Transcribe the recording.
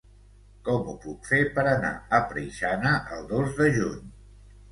Com ho puc fer per anar a Preixana el dos de juny?